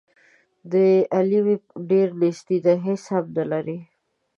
د علي ډېره نیستي ده، هېڅ هم نه لري.